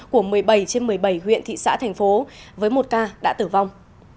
của một mươi bảy trên một mươi bảy huyện thị xã thành phố với một ca đã tử vong